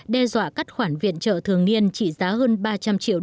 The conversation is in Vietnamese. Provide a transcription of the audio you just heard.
đe dọa các khoản viện trợ thường niên trị giá hơn ba trăm linh triệu usd